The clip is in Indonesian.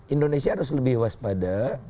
indonesia harus lebih waspada